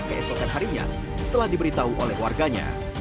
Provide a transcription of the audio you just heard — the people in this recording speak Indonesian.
keesokan harinya setelah diberitahu oleh warganya